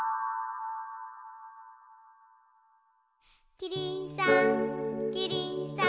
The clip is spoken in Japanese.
キリンさんキリンさん